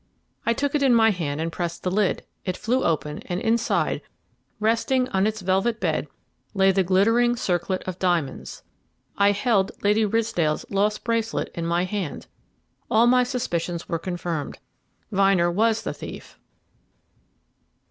I took it in my hand and pressed the lid; it flew open, and inside, resting on its velvet bed, lay the glittering circlet of diamonds. I held Lady Ridsdale's lost bracelet in my hand. All my suspicions were confirmed: Vyner was the thief.